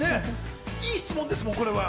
いい質問ですもん、これは。